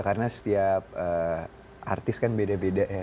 karena setiap artis kan beda beda